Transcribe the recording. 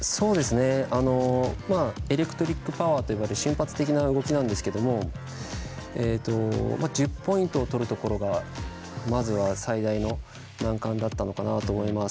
エレクトリックパワーと呼ばれる瞬発的な動きなんですが１０ポイントを取るところがまずは、最大の難関だったかなと思います。